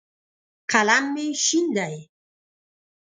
قلم مې شین دی.